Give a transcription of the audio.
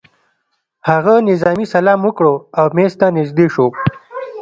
هغه نظامي سلام وکړ او مېز ته نږدې شو